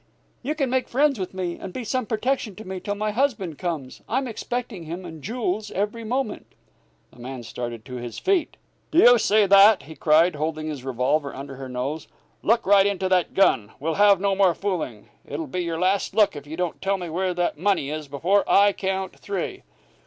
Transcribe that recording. You can make friends with me, and be some protection to me till my husband comes. I'm expecting him and Jules every moment." The man started to his feet. "Do you see that?" he cried, holding his revolver under her nose. "Look right into that gun! We'll have no more fooling. It'll be your last look if you don't tell me where that money is before I count three."